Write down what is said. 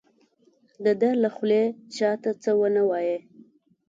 د ده له خولې چا ته څه ونه وایي.